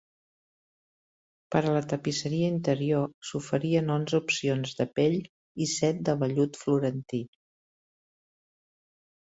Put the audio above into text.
Per a la tapisseria interior s'oferien onze opcions de pell i set de vellut florentí.